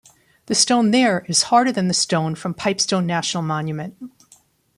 The stone there is harder than the stone from Pipestone National Monument.